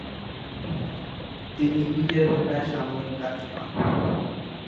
তিনি ইটের ভাটায় সাময়িক কাজ পান।